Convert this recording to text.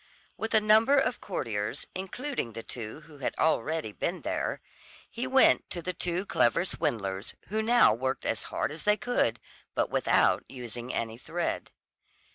With a number of courtiers, including the two who had already been there, he went to the two clever swindlers, who now worked as hard as they could, but without using any thread.